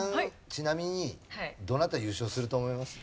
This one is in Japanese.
ちなみにどなた優勝すると思います？